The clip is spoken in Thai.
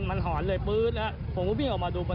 ตำรวจก็น่าจะตามมาครับทิ้งระยะเวลากันนั้น